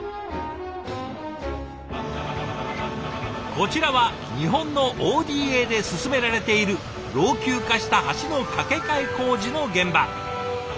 こちらは日本のＯＤＡで進められている老朽化した橋の架け替え工事の現場。